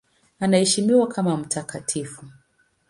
Anaheshimiwa kama mtakatifu.